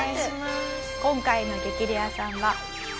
今回の激レアさんは壮大です。